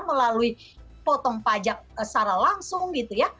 melalui potong pajak secara langsung gitu ya